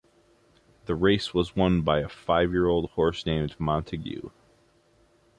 The race was won by a five-year-old horse named Montague.